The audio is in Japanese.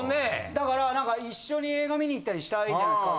だから一緒に映画観に行ったりしたいじゃないですか。